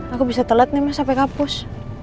aku bisa telat nih mas sampai kapus